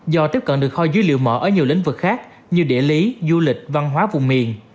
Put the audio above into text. do tiếp cận được kho dữ liệu mở ở nhiều lĩnh vực khác như địa lý du lịch văn hóa vùng miền